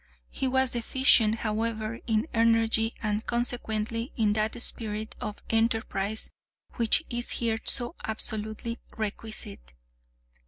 He was deficient, however, in energy, and, consequently, in that spirit of enterprise which is here so absolutely requisite.